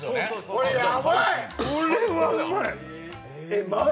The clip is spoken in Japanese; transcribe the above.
これやばい！